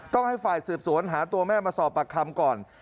ต้องให้ฝ่ายสืบสวนหาตัวแม่มาสอบปากคำก่อน